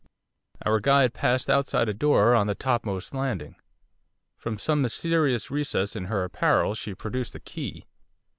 Our guide paused outside a door on the topmost landing. From some mysterious recess in her apparel she produced a key.